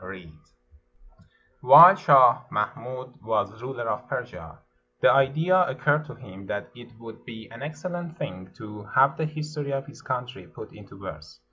REED [While Shah Mahmud was ruler of Persia, the idea occurred to him that it would be an excellent thing to have the history of his country put into verse.